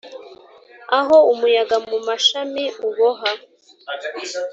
aho umuyaga mumashami uboha